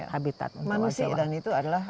habitat oha jawa manusia dan itu adalah